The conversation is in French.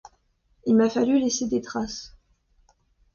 Il m’a fallu laisser des traces.